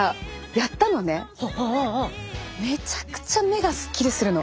めちゃくちゃ目がスッキリするの。